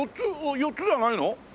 ４つ４つじゃないの？